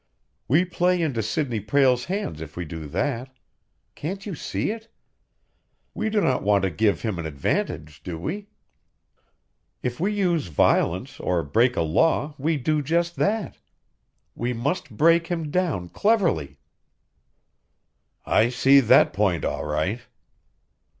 We play into Sidney Prale's hands if we do that. Can't you see it? We do not want to give him an advantage, do we? If we use violence or break a law, we do just that. We must break him down cleverly." "I see that point, all right."